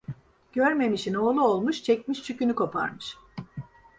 Görmemişin oğlu olmuş, çekmiş çükünü koparmış.